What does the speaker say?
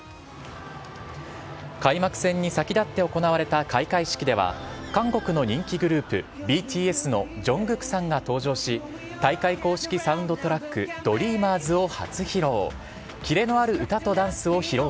開幕戦に先立って行われた開会式では、韓国の人気グループ、ＢＴＳのジョングクさんが登場し、大会公式サウンドトラック、ドリーマーズを初披露。